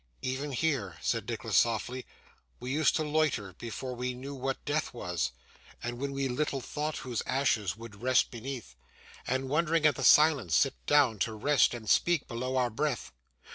'Even here,' said Nicholas softly, 'we used to loiter before we knew what death was, and when we little thought whose ashes would rest beneath; and, wondering at the silence, sit down to rest and speak below our breath.